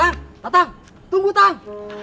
tang datang tunggu tang